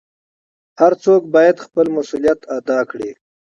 هر څوک بايد خپل مسؤليت ادا کړي .